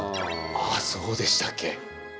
あっそうでしたっけ。